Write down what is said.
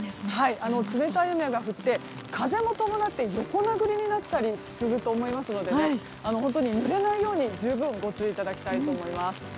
冷たい雨が降って風も伴って横殴りになったりすると思いますので本当にぬれないように十分ご注意いただきたいと思います。